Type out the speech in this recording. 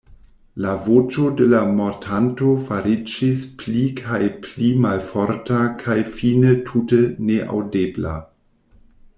La voĉo de la mortanto fariĝis pli kaj pli malforta kaj fine tute neaŭdebla.